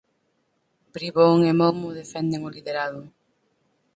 Bribón e Momo defenden o liderado.